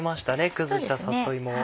崩した里芋。